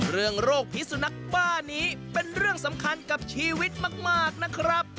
โรคพิสุนักบ้านี้เป็นเรื่องสำคัญกับชีวิตมากนะครับ